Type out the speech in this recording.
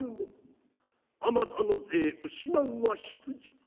あまたの勢失うは必じゃ」。